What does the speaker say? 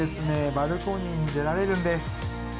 バルコニーに出られるんです